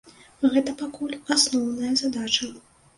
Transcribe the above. Гэта пакуль асноўная задача.